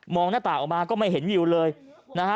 หน้าต่างออกมาก็ไม่เห็นวิวเลยนะฮะ